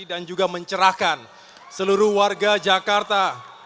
dan juga mencerahkan seluruh warga jakarta